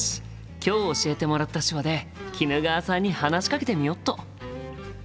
今日教えてもらった手話で衣川さんに話しかけてみよっと！